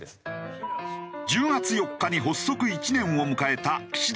１０月４日に発足１年を迎えた岸田政権。